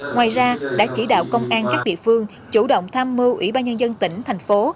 ngoài ra đã chỉ đạo công an các địa phương chủ động tham mưu ủy ban nhân dân tỉnh thành phố